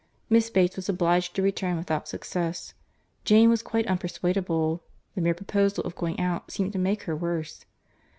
Miss Bates was obliged to return without success; Jane was quite unpersuadable; the mere proposal of going out seemed to make her worse.